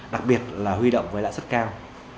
đặc biệt là huy động với lãi sức cao